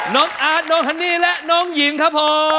น้องอาร์ตน้องฮันนี่และน้องหญิงครับผม